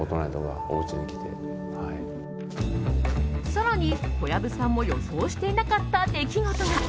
更に、小籔さんも予想していなかった出来事が。